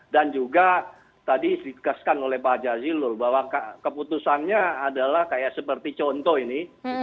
dan juga tadi dikeskan oleh pak jazilur bahwa keputusannya adalah seperti contoh ini